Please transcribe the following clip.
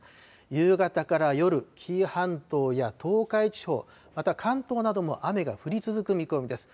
夕方から夜、紀伊半島や東海地方、また関東なども雨が降り続く見込みです。